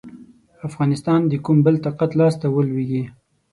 افغانستان د کوم بل طاقت لاسته ولوېږي.